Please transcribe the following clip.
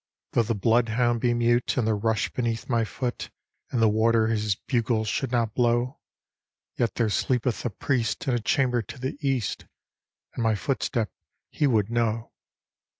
'"' Though the blood hound be mute and the rush beneath my foot, And the warder his bugle should not blow, Yet tlicrc slccpeth a ptiest in a chamber to the east. And my foot step he would know.'